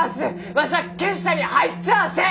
わしは結社に入っちゃあせん！